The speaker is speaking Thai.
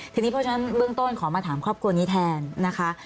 ทีนี้เพราะฉะนั้นเบื้องต้นขอมาถามครอบครัวนี้แทนนะคะ